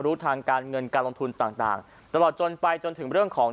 รู้ทางการเงินการลงทุนต่างต่างตลอดจนไปจนถึงเรื่องของ